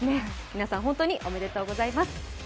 皆さん本当におめでとうございます。